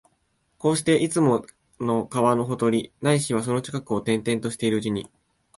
こうして、いつも川のほとり、ないしはその近くを転々としているうちに、